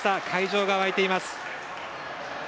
会場が沸いています。